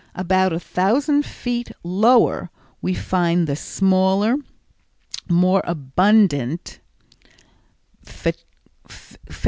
About a thousand feet lower we find the smaller, more abundant _P.